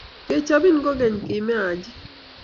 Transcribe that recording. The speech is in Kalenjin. Kechobin kokeny, kime Haji.